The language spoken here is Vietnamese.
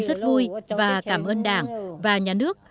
rất vui và cảm ơn đảng và nhà nước